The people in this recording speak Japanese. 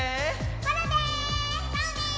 コロです！